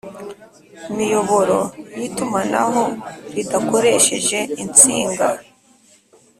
miyoboro y itumanaho ridakoresheje insinga